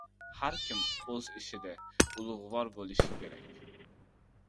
Har kim o‘z ishida ulug‘vor bo‘lishi kerak.